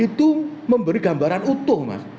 itu memberi gambaran utuh mas